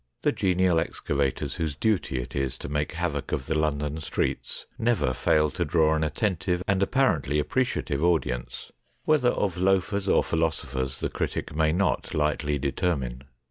The genial excavators whose duty it is to make havoc of the London streets never fail to draw an attentive and apparently appre ciative audience, whether of loafers or philo sophers the critic may not lightly determine.